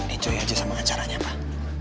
enjoy aja sama acaranya pak